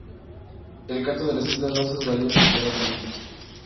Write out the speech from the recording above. El canto de las distintas razas varía considerablemente.